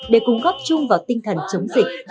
để cung cấp chung vào tinh thần chống dịch